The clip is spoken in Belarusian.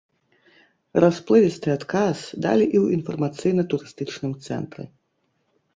Расплывісты адказ далі і ў інфармацыйна-турыстычным цэнтры.